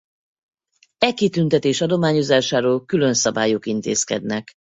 E kitüntetés adományozásáról külön szabályok intézkednek.